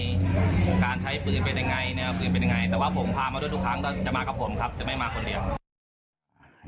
แต่ว่าผมพามาด้วยทุกครั้งก็จะมากับผมครับจะไม่มาคนเดียว